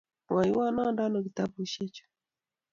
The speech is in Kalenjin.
Mwaiwo ande ano kitabushek chu